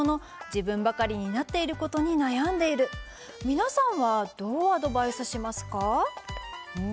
皆さんはどうアドバイスしますか？